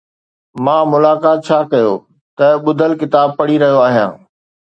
مان ”ملاقات ڇا ڪيو“ تي ٻڌل ڪتاب پڙهي رهيو آهيان.